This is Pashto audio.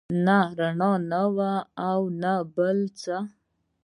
نه رڼا وه او نه بل څه.